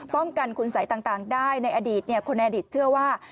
ป้องกันคุณสัยต่างได้ในอดีตคนในอดีตเชื่อว่า